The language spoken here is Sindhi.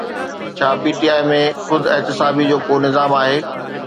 ڇا پي ٽي آءِ ۾ خود احتسابي جو ڪو نظام آهي؟